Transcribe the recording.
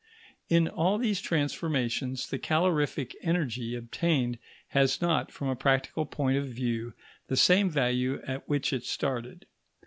In all these transformations the calorific energy obtained has not, from a practical point of view, the same value at which it started.